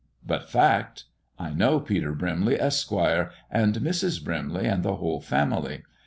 "But fact. I know Peter Brimley, Esq., and Mrs. Brimley, and the whole family.